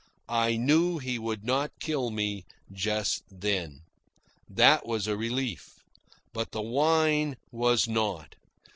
I knew he would not kill me just then. That was a relief. But the wine was not.